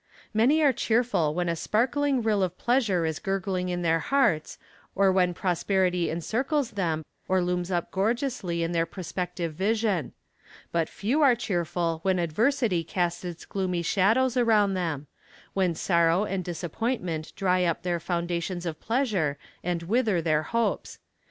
Many are cheerful when a sparkling rill of pleasure is gurgling in their hearts, or when prosperity encircles them, or looms up gorgeously in their prospective vision. But few are cheerful when adversity casts its gloomy shadows around them; when sorrow and disappointment dry up their fountains of pleasure and wither their hopes.